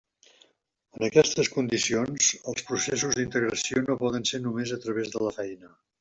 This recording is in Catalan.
En aquestes condicions, els processos d'integració no poden ser només a través de la feina.